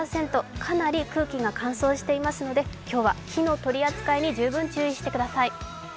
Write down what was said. かなり空気が乾燥していますので今日は火の取り扱いに十分注意してください。